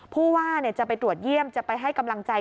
ผู้ว่าจะไปตรวจเยี่ยมจะไปให้กำลังใจ